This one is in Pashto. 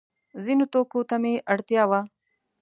ځینو توکو ته مې اړتیا وه.